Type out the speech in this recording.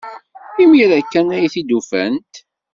Imir-a kan ay t-id-ufant.